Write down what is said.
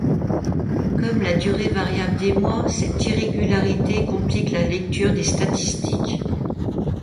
Comme la durée variable des mois, cette irrégularité complique la lecture des statistiques.